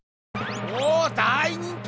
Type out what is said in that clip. おお大人気！